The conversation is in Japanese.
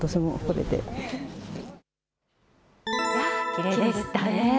きれいでしたね。